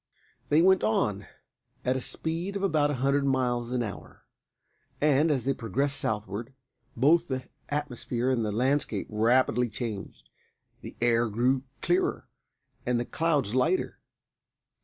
They went on at a speed of about a hundred miles an hour, and, as they progressed southward, both the atmosphere and the landscape rapidly changed. The air grew clearer and the clouds lighter.